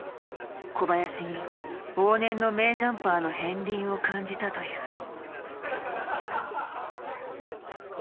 小林に往年の名ジャンパーの片りんを感じたという。